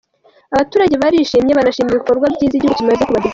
Abaturage barishimye, banashima ibikorwa byiza igihugu kimaze kubagezaho.